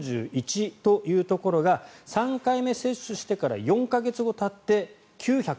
４１というところが３回目接種してから４か月たって９８８。